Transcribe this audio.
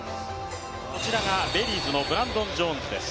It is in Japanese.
こちらがベリーズのブランドン・ジョーンズです。